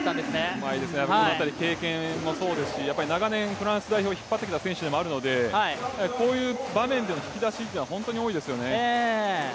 うまいですね、この辺り経験もそうですしやっぱり長年フランス代表を引っ張ってきた選手でもあるのでこういう場面での引き出しっていうのは本当に多いですよね。